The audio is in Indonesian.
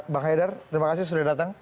bang haidar terima kasih sudah datang